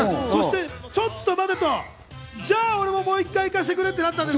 ちょっと待てと、じゃあ俺ももう１回行かせてくれとなったんです。